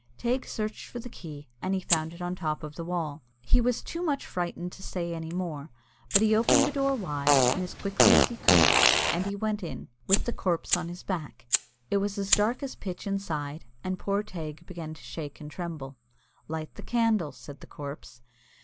Teig searched for the key, and he found it on the top of the wall. He was too much frightened to say any more, but he opened the door wide, and as quickly as he could, and he went in, with the corpse on his back. It was as dark as pitch inside, and poor Teig began to shake and tremble. "Light the candle," said the corpse.